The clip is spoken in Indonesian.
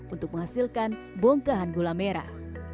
untuk menghasilkan bongkahan gula merah